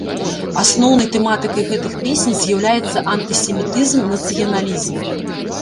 Асноўнай тэматыкай гэтых песень з'яўляецца антысемітызм, нацыяналізм.